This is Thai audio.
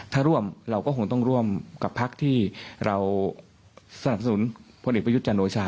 ถ้าร่วมเราก็คงต้องร่วมกับพักที่เราสนับสนุนพลเอกประยุทธ์จันโอชา